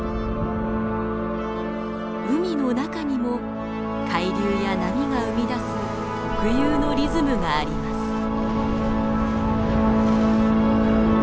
海の中にも海流や波が生み出す特有のリズムがあります。